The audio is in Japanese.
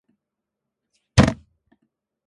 五条悟はしにます